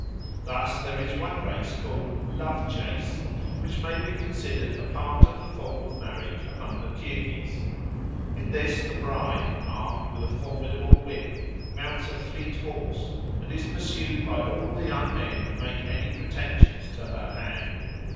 Thus "there is one race, called the 'Love Chase,' which may be considered a part of the form of marriage among the Kirghiz. In this the bride, armed with a formidable whip, mounts a fleet horse, and is pursued by all the young men who make any pretensions to her hand.